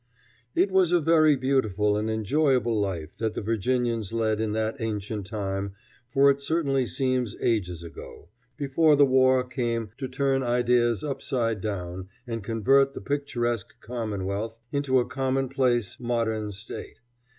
It was a very beautiful and enjoyable life that the Virginians led in that ancient time, for it certainly seems ages ago, before the war came to turn ideas upside down and convert the picturesque commonwealth into a commonplace, modern state.